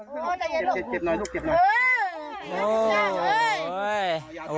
โอ้ใจเย็นล่ะ